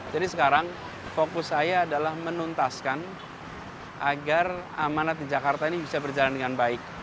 jadi sekarang fokus saya adalah menuntaskan agar amanat di jakarta ini bisa berjalan dengan baik